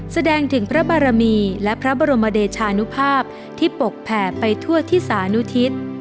แสดงถึงพระบารมีและพระบรมเดชานุภาพที่ปกแผ่ไปทั่วที่สานุทิศ